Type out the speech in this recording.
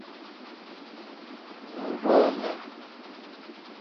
Ò rzô lá.